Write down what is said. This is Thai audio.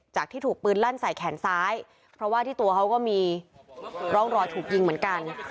ที่ถูกปืนลั่นใส่แขนซ้ายเพราะว่าที่ตัวเขาก็มีร่องรอยถูกยิงเหมือนกัน